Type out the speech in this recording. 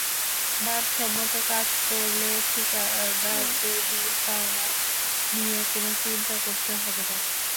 মানসম্মত কাজ করলে ঠিকাদারদের বিল পাওয়া নিয়ে কোনো চিন্তা করতে হবে না।